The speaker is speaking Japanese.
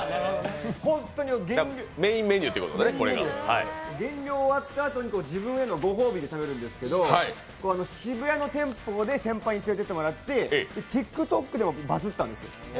本当に減量終わったあとに自分へのご褒美で食べるんですけど渋谷の店舗で先輩に連れていってもらって、ＴｉｋＴｏｋでもバズったんです。